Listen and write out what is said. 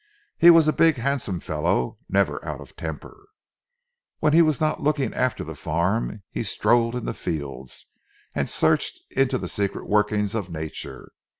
He was a big handsome fellow, never out of temper. When he was not looking after the farm he strolled in the fields, and searched into the secret workings of Nature.